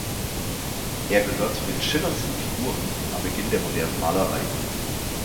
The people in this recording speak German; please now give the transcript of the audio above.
Er gehört zu den schillerndsten Figuren am Beginn der modernen Malerei.